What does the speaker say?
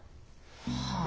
はあ。